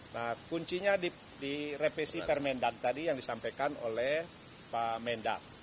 nah kuncinya di revisi permendak tadi yang disampaikan oleh pak mendak